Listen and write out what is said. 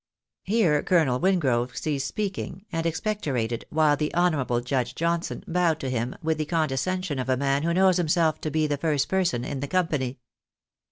Here Colonel Wingrove ceased speaking, and expectorated, while the honourable Judge Johnson bowed to him with the condescension of a man who knows himself to be the first person in the company.